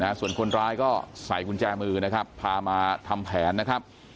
ส่วนคนร้ายก็ใส่กุญแจมือนะครับพามาทำแผนนะครับ